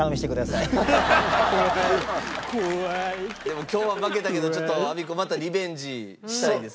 でも今日は負けたけどちょっとアビコまたリベンジしたいですね。